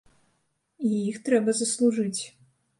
І іх трэба заслужыць.